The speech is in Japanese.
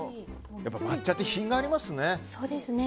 やっぱ抹茶って品がありますね。